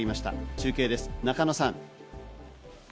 中継です、中野さん。